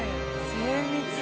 精密。